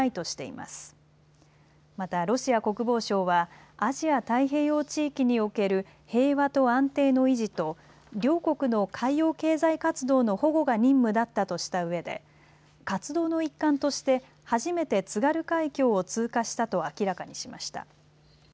またロシア国防省はアジア太平洋地域における平和と安定の維持と両国の海洋経済活動の保護が任務だったとしたうえで活動の一環として初めて津軽海峡を通過したと明らかにしました。